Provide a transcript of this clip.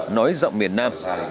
nói giọng miền nam